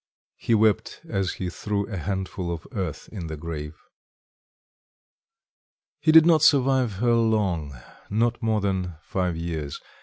He wept as he threw a handful of earth in the grave. He did not survive her long, not more than five years.